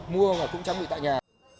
mua và cũng trang bị tại nhà